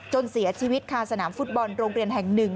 จนเสียชีวิตคาสนามฟู้ตบอลโลเกียรต์แห่งหนึ่ง